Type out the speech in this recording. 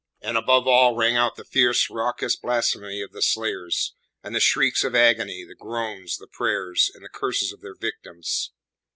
And above all rang out the fierce, raucous blasphemy of the slayers, and the shrieks of agony, the groans, the prayers, and curses of their victims.